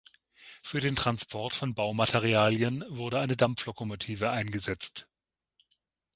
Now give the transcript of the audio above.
Für den Transport von Baumaterialien wurde eine Dampflokomotive eingesetzt.